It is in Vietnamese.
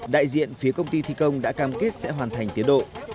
đại diện phía công ty thi công đã cam kết sẽ hoàn thành tiến độ